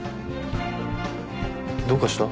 どうかした？